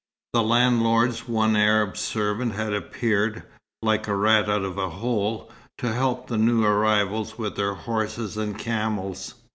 The landlord's one Arab servant had appeared, like a rat out of a hole, to help the new arrivals with their horses and camels.